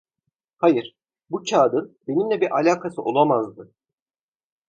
Hayır, bu kâğıdın benimle bir alakası olamazdı.